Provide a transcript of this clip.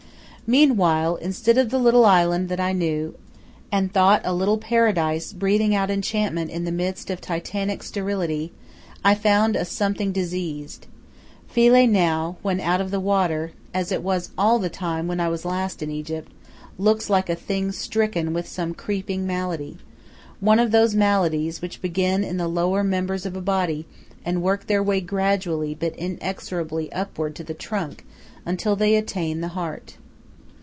Meanwhile, instead of the little island that I knew, and thought a little paradise breathing out enchantment in the midst of titanic sterility, I found a something diseased. Philae now, when out of the water, as it was all the time when I was last in Egypt, looks like a thing stricken with some creeping malady one of those maladies which begin in the lower members of a body, and work their way gradually but inexorably upward to the trunk, until they attain the heart.